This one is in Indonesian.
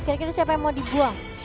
kira kira siapa yang mau dibuang